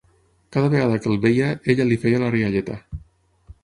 Cada vegada que el veia, ella li feia la rialleta.